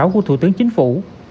của thủ tướng chính phủ